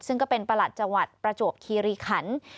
ซึ่งก็เป็นประหลัดจังหวัดประจวบคีรีขัน